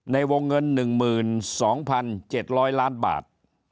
ในวงเงิน๑๒๗๐๐ล้านบาท